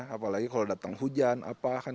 apalagi kalau datang hujan